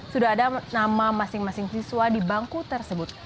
sudah ada nama masing masing siswa di bangku tersebut